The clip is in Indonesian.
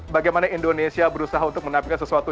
bagaimana indonesia berusaha untuk menampilkan sesuatu